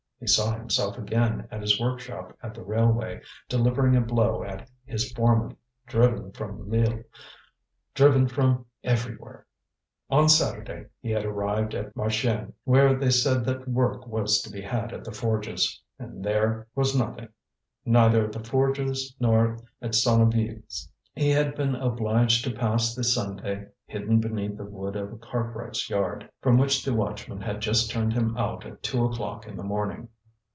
He saw himself again at his workshop at the railway, delivering a blow at his foreman, driven from Lille, driven from everywhere. On Saturday he had arrived at Marchiennes, where they said that work was to be had at the Forges, and there was nothing, neither at the Forges nor at Sonneville's. He had been obliged to pass the Sunday hidden beneath the wood of a cartwright's yard, from which the watchman had just turned him out at two o'clock in the morning.